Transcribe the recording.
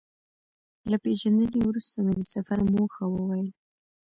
له پېژندنې وروسته مې د سفر موخه وویل.